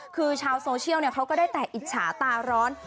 คือชาวโซเชียลเขาก็ได้แต่อิจฉาตาร้อน